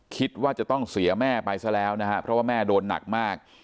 คิดว่าจะต้องเสียแม่ไปซะแล้วนะฮะเพราะว่าแม่โดนหนักมาก